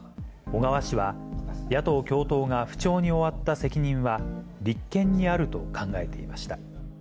小川氏は、野党共闘が不調に終わった責任は、立憲にあると考えていました。